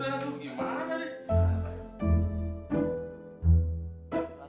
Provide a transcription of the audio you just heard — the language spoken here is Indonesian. bisa abut dulu dah